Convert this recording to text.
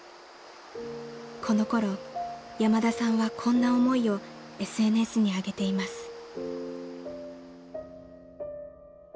［このころ山田さんはこんな思いをＳＮＳに上げています］